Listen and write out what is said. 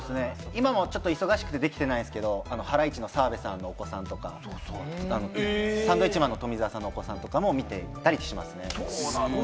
今は忙しくてできてないですけれど、ハライチの澤部さんのお子さんとか、サンドウィッチマン・富澤さんのお子さんとかも見ていたりします。